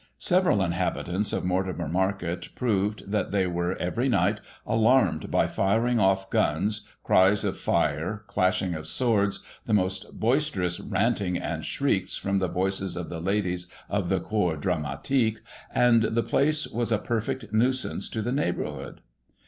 Several inhabitants of Mortimer Market proved that they were, every night, alarmed by firing off guns, cries of " Fire," clashing of swords, the most boisterous ranting and shrieks from the voices of the ladies of the corps dramatique, and the place was a perfect nuisance to the neighbourhood.